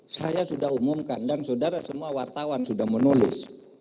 saya sudah umumkan dan saudara semua wartawan sudah menulis